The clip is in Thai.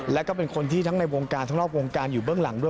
แล้วก็เป็นคนที่ทั้งในวงการทั้งนอกวงการอยู่เบื้องหลังด้วย